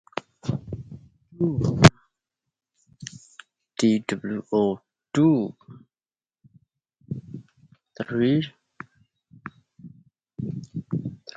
She was succeeded by Lynda Waltho, also from the Labour Party.